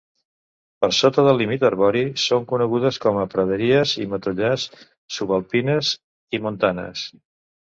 Per sota del límit arbori són conegudes com a praderies i matollars subalpines i montanes.